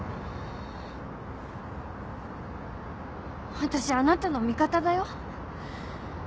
わたしあなたの味方だよ。